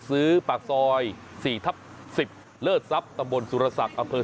ซื้อปากซอย๔ทับ๑๐เลิศทรัพย์ตำรวจสุรศักดิ์